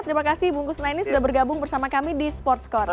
terima kasih bung kusna ini sudah bergabung bersama kami di sports corner